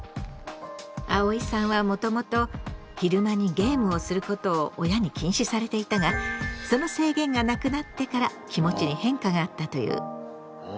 あおいさんはもともと昼間にゲームをすることを親に禁止されていたがその制限がなくなってから気持ちに変化があったという。